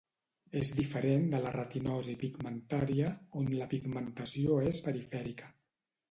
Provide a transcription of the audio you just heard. És diferent de la retinosi pigmentària, on la pigmentació és perifèrica.